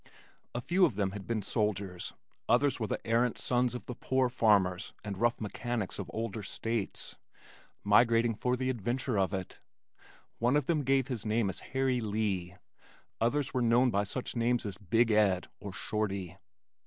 A few of them had been soldiers, others were the errant sons of the poor farmers and rough mechanics of older States, migrating for the adventure of it. One of them gave his name as "Harry Lee," others were known by such names as "Big Ed" or "Shorty."